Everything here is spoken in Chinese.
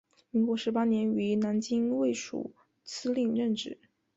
民国十八年于南京卫戍司令任职。